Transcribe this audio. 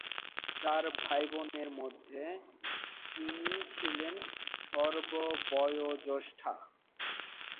চার ভাইবোনের মধ্যে তিনিই ছিলেন সর্ববয়োজ্যেষ্ঠা।